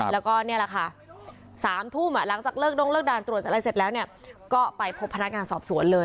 แล้วก็เนี่ยละคะ๓ทุ่มหลังจากด้านตรวจละไปพบพนักการณ์สอบสวนเลย